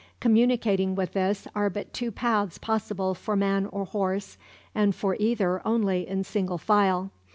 Communicating with this are but two paths possible for man or horse, and for either only in single file.